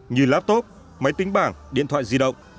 như laptop máy tính bảng điện thoại di động